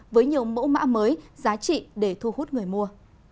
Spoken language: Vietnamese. với nhiều mẫu mã mới giá trị để thu hút người mua